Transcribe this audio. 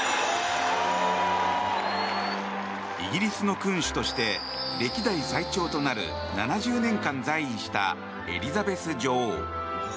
イギリスの君主として歴代最長となる７０年間在位したエリザベス女王。